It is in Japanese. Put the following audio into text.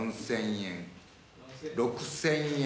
６，０００円。